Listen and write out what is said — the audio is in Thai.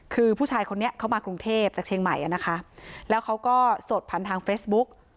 คือผู้ชายคนนี้เข้ามากรุงเทพจากเชียงใหม่อ่ะนะคะแล้วเขาก็สดผ่านทางเฟซบุ๊ก